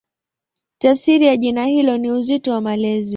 Tafsiri ya jina hilo ni "Uzito wa Malezi".